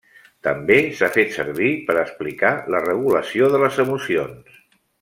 També s'ha fet servir per a explicar la regulació de les emocions.